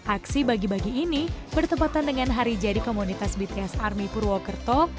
aksi bagi bagi ini bertempatan dengan hari jadi komunitas bts army purwokerto